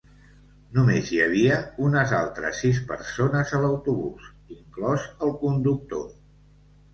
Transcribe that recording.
Només hi havia unes altres sis persones a l'autobús, inclòs el conductor.